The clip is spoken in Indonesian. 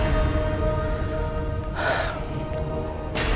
aku sudah mencari